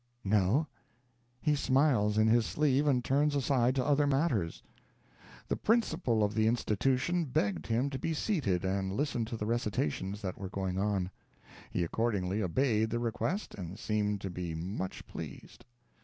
No; he smiles in his sleeve, and turns aside to other matters. The principal of the Institution begged him to be seated and listen to the recitations that were going on. He accordingly obeyed the request, and seemed to be much pleased.